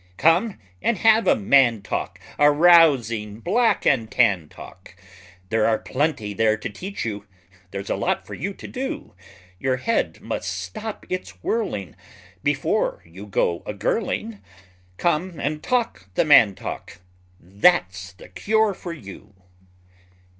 Come and have a man talk, A rousing black and tan talk, There are plenty there to teach you; there's a lot for you to do; Your head must stop its whirling Before you go a girling; Come and talk the man talk; that's the cure for you!